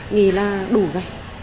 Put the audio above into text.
nghĩ là đủ rồi